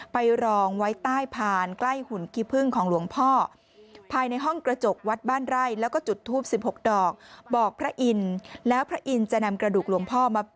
ไปรองไว้ใต้ผ่านใกล้หุ่นกีภึ่งของหลวงพ่อ